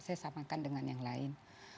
saya samakan dengan yang lain